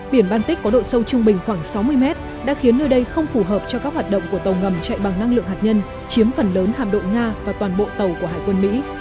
biển baltic có độ sâu trung bình khoảng sáu mươi mét đã khiến nơi đây không phù hợp cho các hoạt động của tàu ngầm chạy bằng năng lượng hạt nhân chiếm phần lớn hàm độ nga và toàn bộ tàu của hải quân mỹ